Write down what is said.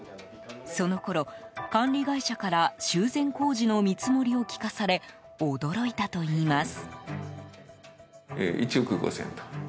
そのころ、管理会社から修繕工事の見積もりを聞かされ驚いたといいます。